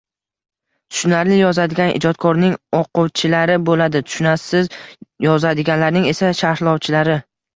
Tushunarli yozadigan ijodkorning oʻquvchilari boʻladi, tushunarsiz yozadiganlarning esa sharhlovchilari